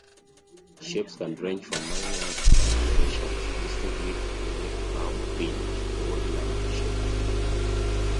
Shapes can range from minor aberrations to distinctly ovoid, curved, pinch, or lumpy shapes.